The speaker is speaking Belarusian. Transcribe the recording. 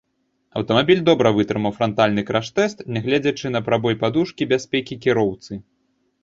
Аўтамабіль добра вытрымаў франтальны краш-тэст, нягледзячы на прабой падушкі бяспекі кіроўцы.